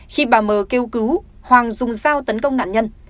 khi bà mờ kêu cứu hoàng dùng dao tấn công nạn nhân